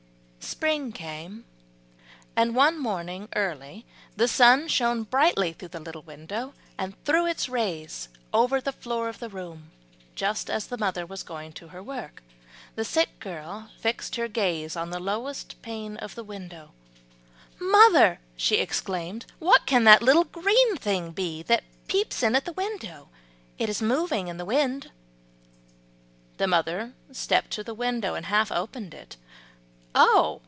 Spring came, and one morning early the sun shone brightly through the little window, and threw its rays over the floor of the room. Just as the mother was going to her work, the sick girl fixed her gaze on the lowest pane of the window "Mother," she exclaimed, "what can that little green thing be that peeps in at the window? It is moving in the wind." The mother stepped to the window and half opened it. "Oh!"